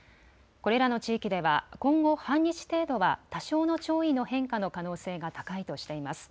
これらの地域では今後半日程度は多少の潮位の変化の可能性が高いとしています。